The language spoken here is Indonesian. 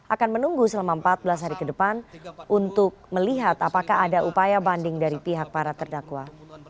akan menunggu selama empat belas hari ke depan untuk melihat apakah ada upaya banding dari pihak para terdakwa